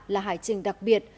là hải trình đặc biệt